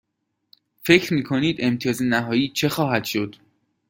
فکر می کنید امتیاز نهایی چه خواهد شد؟